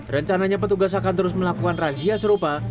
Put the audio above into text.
rencananya petugas akan terus melakukan razia serupa